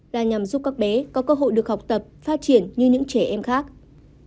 là nhằm giúp các bé có cơ hội được học tập phát triển như những trẻ em khác